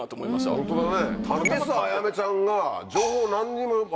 ホントだね！